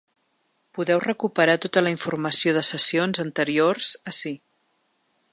Podeu recuperar tota la informació de sessions anteriors ací.